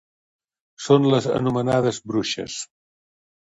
Són les anomenades bruixes.